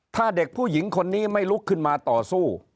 ถ้าเด็กผู้หญิงคนนี้ไม่ลุกขึ้นมาต่อสู้